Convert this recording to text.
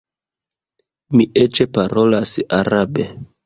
Mi eĉ parolas arabe.